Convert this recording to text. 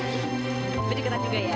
tapi deketan juga ya